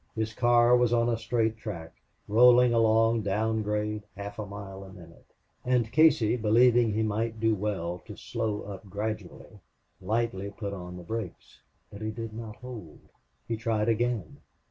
His car was on a straight track, rolling along down grade, half a mile a minute. And Casey, believing he might do well to slow up gradually, lightly put on the brake. But it did not hold. He tried again.